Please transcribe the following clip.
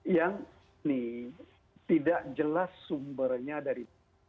yang ini tidak jelas sumbernya dari